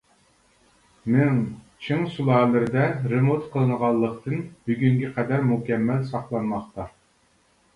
مىڭ، چىڭ سۇلالىلىرىدە رېمونت قىلىنغانلىقتىن، بۈگۈنگە قەدەر مۇكەممەل ساقلانماقتا.